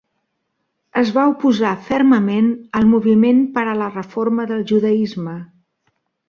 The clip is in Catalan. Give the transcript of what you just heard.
Es va oposar fermament al moviment per a la reforma del judaisme.